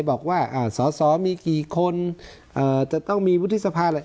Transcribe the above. บอกว่าสอสอมีกี่คนจะต้องมีวุฒิสภาอะไร